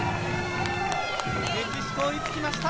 メキシコ、追いつきました！